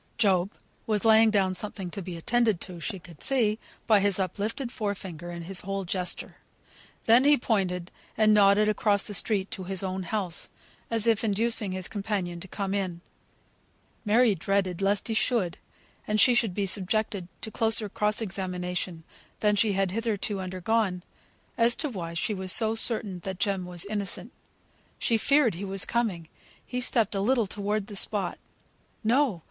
Job was laying down something to be attended to she could see, by his up lifted fore finger, and his whole gesture; then he pointed and nodded across the street to his own house, as if inducing his companion to come in. Mary dreaded lest he should, and she be subjected to a closer cross examination than she had hitherto undergone, as to why she was so certain that Jem was innocent. She feared he was coming; he stepped a little towards the spot. No!